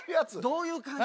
どういう感じ？